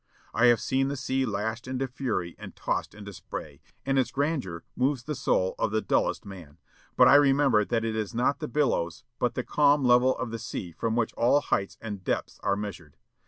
"I have seen the sea lashed into fury and tossed into spray, and its grandeur moves the soul of the dullest man; but I remember that it is not the billows but the calm level of the sea from which all heights and depths are measured.